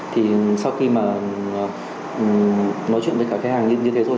thì sau khi mà nói chuyện với cả khách hàng như thế rồi